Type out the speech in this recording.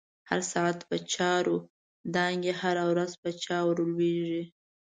هر ساعت په چاور دانگی، هره ورځ په چا ورلویږی